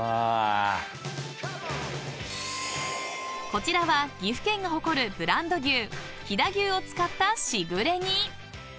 ［こちらは岐阜県が誇るブランド牛飛騨牛を使ったしぐれ煮］